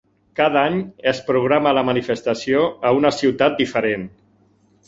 Cada any es programa la manifestació a una ciutat diferent.